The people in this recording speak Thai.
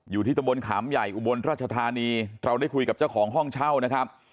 อยู่ที่ตะบนขามใหญ่อุบลราชธานีเราได้คุยกับเจ้าของห้องเช่านะครับ